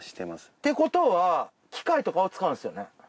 ってことは機械とかは使うんですよね？